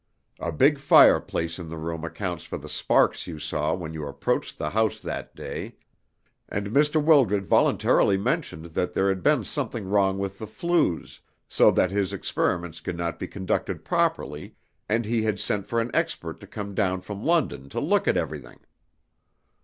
A big fireplace in the room accounts for the sparks you saw when you approached the house that day, and Mr. Wildred voluntarily mentioned that there had been something wrong with the flues, so that his experiments could not be conducted properly, and he had sent for an expert to come down from London to look at everything.